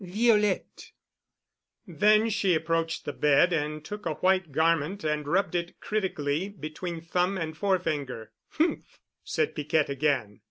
"Violette!" Then she approached the bed and took a white garment and rubbed it critically between thumb and forefinger. "H mph!" said Piquette again.